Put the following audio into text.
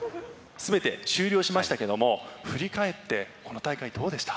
全て終了しましたけども振り返ってこの大会どうでした？